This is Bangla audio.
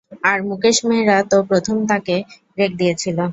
আর মুকেশ মেহরা তো প্রথম তাঁকে ব্রেক দিয়েছিলো।